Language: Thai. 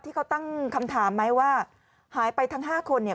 ที่เขาตั้งคำถามไหมว่าหายไปทั้ง๕คนเนี่ย